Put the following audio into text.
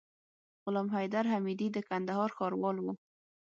غلام حيدر حميدي د کندهار ښاروال وو.